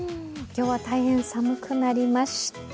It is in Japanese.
今日は大変寒くなりました。